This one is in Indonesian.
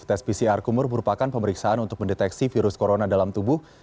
tes pcr kumur merupakan pemeriksaan untuk mendeteksi virus corona dalam tubuh